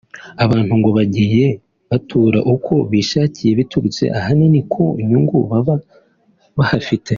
Abantu ngo bagiye batura uko bishakiye biturutse ahanini ku nyungu babaga bahafite